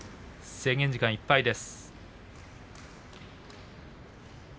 制限時間いっぱいです。